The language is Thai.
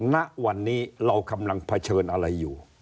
ณวันนี้เรากำลังเผชิญอะไรอยู่